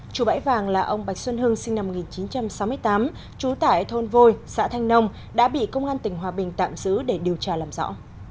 chủ bãi vàng là ông bạch xuân hưng sinh năm một nghìn chín trăm sáu mươi tám trú tại thôn vôi xã thanh nông đã bị công an tỉnh hòa bình tạm giữ để điều tra làm rõ